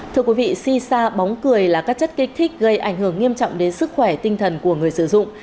thưa quý vị si sa bóng cười là các chất kích thích gây ảnh hưởng nghiêm trọng đến sức khỏe tinh thần của người sử dụng